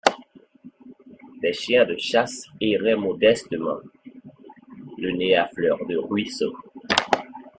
Des chiens de chasse erraient modestement, le nez à fleur de ruisseau.